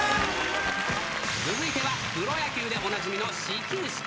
続いてはプロ野球でおなじみの始球式。